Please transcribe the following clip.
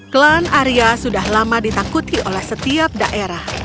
klan arya sudah lama ditakuti oleh setiap daerah